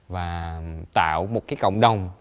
và tạo một cái cộng đồng